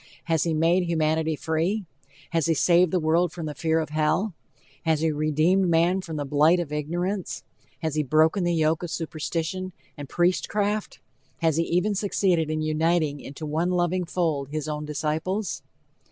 Has he made humanity free? Has he saved the world from the fear of hell? Has he redeemed man from the blight of ignorance? Has he broken the yoke of superstition and priest craft? Has he even succeeded in uniting into one loving fold his own disciples?